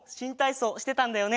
そうしてたんだよね！